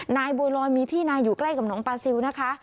นายบัวลอยมีที่นายอยู่ใกล้กับน้องปาซิลนะคะ